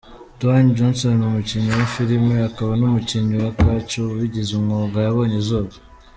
Dwayne Johnson, umukinnyi wa filime akaba n’umukinnyi wa catch wabigize umwuga yabonye izuba.